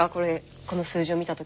この数字を見た時には。